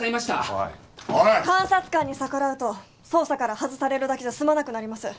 おいおいっ監察官に逆らうと捜査から外されるだけじゃ済まなくなります